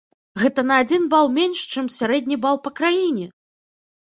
Гэта на адзін бал менш, чым сярэдні бал па краіне!